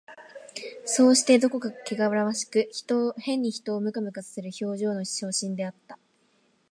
そうして、どこかけがらわしく、変に人をムカムカさせる表情の写真であった